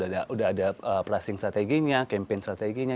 udah ada pricing strateginya campaign strateginya